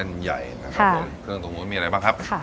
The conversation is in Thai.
เส้นใหญ่ครับผมค่ะเครื่องตกหมูมีอะไรบ้างครับค่ะ